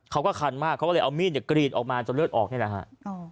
คันมากเขาก็เลยเอามีดกรีดออกมาจนเลือดออกนี่แหละฮะ